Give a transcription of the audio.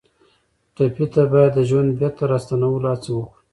ټپي ته باید د ژوند بېرته راستنولو هڅه وکړو.